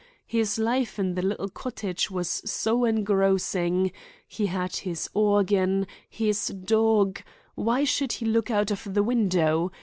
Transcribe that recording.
His life in the little cottage was so engrossing—he had his organ—his dog—why should he look out of the window?